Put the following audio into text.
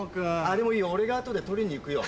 でもいいよ俺が後で取りに行くよ。